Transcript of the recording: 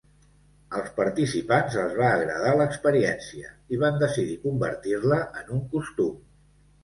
Als participants els va agradar l'experiència i van decidir convertir-la en un costum.